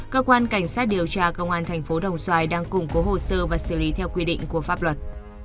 cơ quan cảnh sát điều tra công an thành phố đồng xoài đang củng cố hồ sơ và xử lý theo quy định của pháp luật